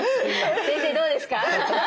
先生どうですか？